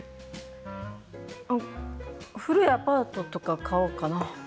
古いアパートとか買おうかな？